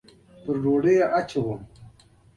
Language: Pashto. پر ډوډۍ یې اچوم